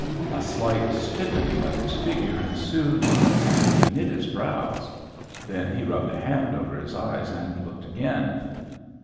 A slight stiffening of his figure ensued, and he knit his brows. Then he rubbed a hand over his eyes and looked again.